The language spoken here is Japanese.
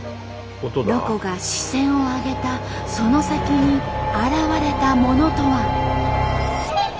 ロコが視線を上げたその先に現れたものとは。